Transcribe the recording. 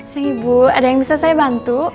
si ibu ada yang bisa saya bantu